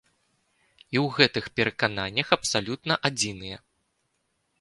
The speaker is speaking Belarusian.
І ў гэтых перакананнях абсалютна адзіныя.